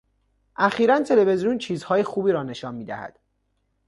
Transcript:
اخیرا تلویزیون چیزهای خوبی را نشان میدهد.